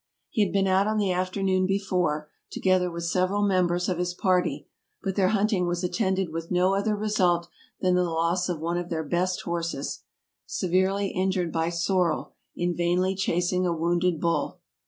He had been out on the after noon before, together with several members of his party; but their hunting was attended with no other result than the loss of one of their best horses, severely injured by Sorel, in vainly chasing a wounded bull.